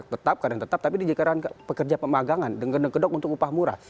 tetap kadang tetap tapi di jelaskan pekerja pemagangan deng deng gedok untuk upah murah